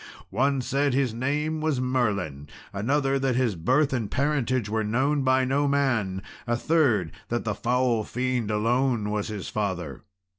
One said his name was Merlin; another, that his birth and parentage were known by no man; a third, that the foul fiend alone was his father.